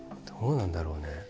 どうなんだろうね。